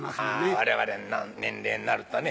我々の年齢になるとね。